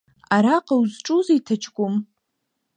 Араҟа узҿузеи ҭаҷкәым?